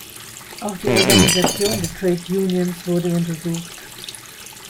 Auch die Organisation der Trade Unions wurde untersucht.